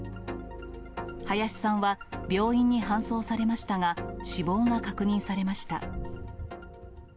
林さんは病院に搬送されましたが、死亡が確認されました。